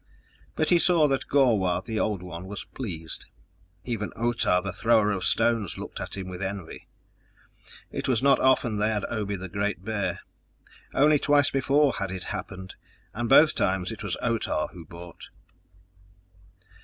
But he saw that Gor wah, the Old One, was pleased. Even Otah the Thrower of Stones looked at him with envy; it was not often they had Obe the Great Bear; only twice before had it happened, and both times it was Otah who brought.